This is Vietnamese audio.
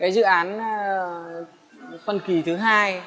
dự án phân kỳ thứ hai